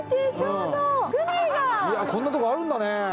うわこんなとこあるんだね。